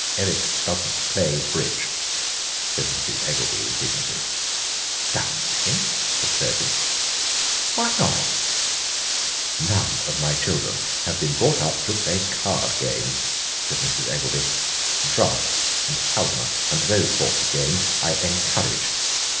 "Eric doesn't play bridge," said Mrs. Eggelby with dignity. "Doesn't he?" asked Clovis; "why not?" "None of my children have been brought up to play card games," said Mrs. Eggelby; "draughts and halma and those sorts of games I encourage.